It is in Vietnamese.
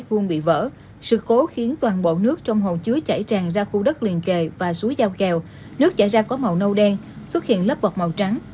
vụ vỡ sự cố khiến toàn bộ nước trong hồ chứa chảy tràn ra khu đất liền kề và suối giao kèo nước chảy ra có màu nâu đen xuất hiện lớp bọt màu trắng